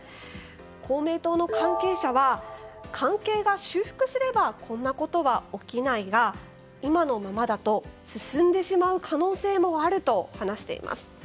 公明党の関係者は関係が修復すればこんなことは起きないが今のままだと進んでしまう可能性もあると話しています。